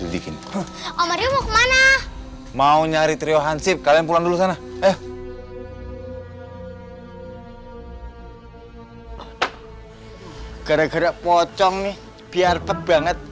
bikin mau nyari trio hansip kalian pulang dulu sana gara gara pocong nih biar banget